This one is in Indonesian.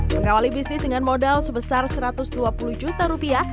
mengawali bisnis dengan modal sebesar satu ratus dua puluh juta rupiah